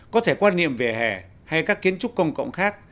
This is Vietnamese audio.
có thể quan niệm về hè hay các kiến trúc công cộng khác